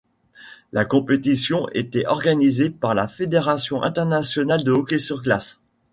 La compétition était organisée par la Fédération internationale de hockey sur glace.